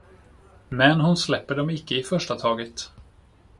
Men hon släpper dem icke i första taget.